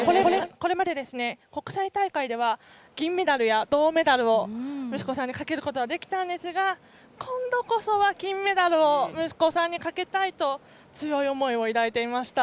これまで、国際大会では銀メダルや銅メダルを息子さんにかけることはできたんですが今度こそは金メダルを息子さんにかけたいと強い思いを抱いていました。